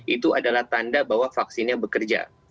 itu adalah tanda bahwa vaksinnya bekerja